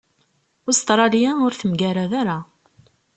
Ustṛalya ur temgarad ara.